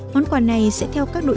món quà này sẽ theo các đội